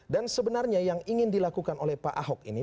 dan sebenarnya yang ingin dilakukan oleh pak ahok ini